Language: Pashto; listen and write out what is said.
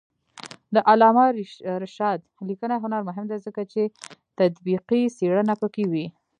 د علامه رشاد لیکنی هنر مهم دی ځکه چې تطبیقي څېړنه پکې شته.